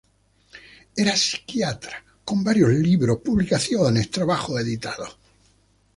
Era psiquiatra, con varios libros, publicaciones, trabajos editados.